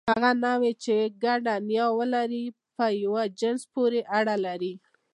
هغه نوعې، چې ګډه نیا ولري، په یوه جنس پورې اړه لري.